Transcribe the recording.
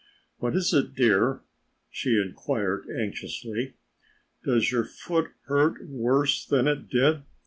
"What is it, dear?" she inquired anxiously. "Does your foot hurt worse than it did?